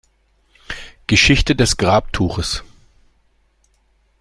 Geschichte des Grabtuches